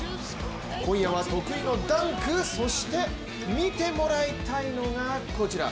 今夜は得意のダンクそして見てもらいたいのがこちら。